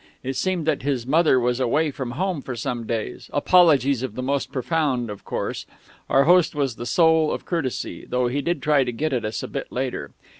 It seemed that his mother was away from home for some days apologies of the most profound, of course; our host was the soul of courtesy, though he did try to get at us a bit later....